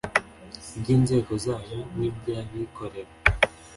iby’inzego zayo n’iby’abikorera,